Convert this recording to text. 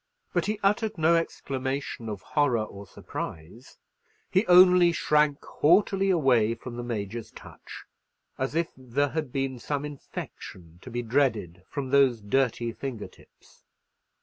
But he uttered no exclamation of horror or surprise. He only shrank haughtily away from the Major's touch, as if there had been some infection to be dreaded from those dirty finger tips.